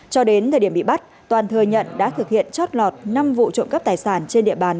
cho đến thời điểm bị bắt toàn thừa nhận đã thực hiện chót lọt năm vụ trộm cắp tài sản trên địa bàn